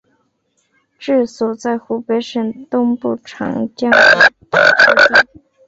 治所在湖北省东部长江北之地。